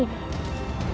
dengan baik rai